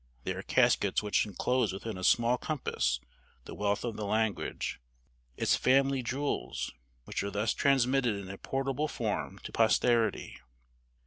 They are caskets which inclose within a small compass the wealth of the language its family jewels, which are thus transmitted in a portable form to posterity.